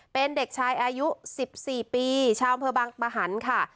เป็นเด็กชายอายุ๑๔ปีชาวอำเภอบางมหันค่ะ